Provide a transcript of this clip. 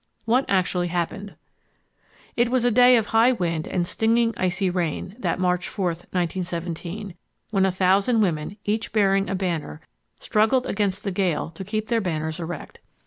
What actually happened? It was a day of high wind and stinging, icy rain, that March 4th, 1917, when a thousand women, each bearing a banner, struggled against the gale to keep their banners erect.